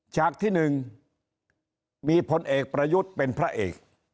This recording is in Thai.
ฉากที่๑มีพลเอกประยุทธ์เป็นพระเอก